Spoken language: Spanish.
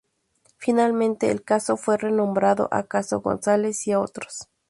Finalmente, el caso fue renombrado a Caso Gonzáles y Otros.